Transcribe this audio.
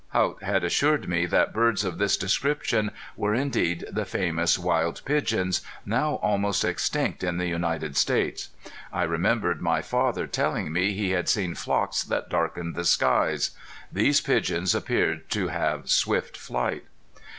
Haught had assured me that birds of this description were indeed the famous wild pigeons, now almost extinct in the United States. I remembered my father telling me he had seen flocks that darkened the skies. These pigeons appeared to have swift flight.